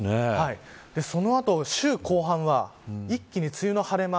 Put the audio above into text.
その後、週後半は一気に梅雨の晴れ間